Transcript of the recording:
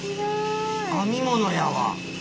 編み物やわ。